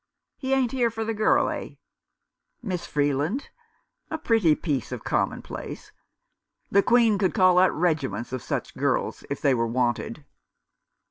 " He ain't here for the girl, eh ?" "Miss Freeland — a pretty piece of common place. The Queen could call out regiments of such girls if they were wanted."